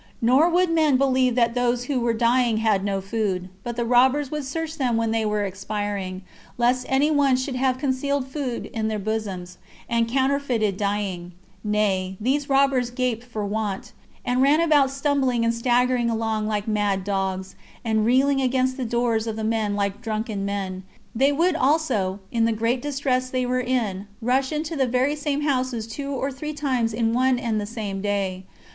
Nor would men believe that those who were dying had no food, but the robbers would search them when they were expiring, lest any one should have concealed food in their bosoms, and counterfeited dying; nay, these robbers gaped for want, and ran about stumbling and staggering along like mad dogs, and reeling against the doors of the houses like drunken men; they would also, in the great distress they were in, rush into the very same houses two or three times in one and the same day.